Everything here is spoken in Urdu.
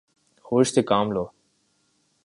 ہوش سے کام لو